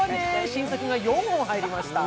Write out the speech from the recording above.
新作が４本入りました。